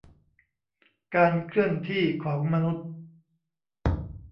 การเคลื่อนที่ของมนุษย์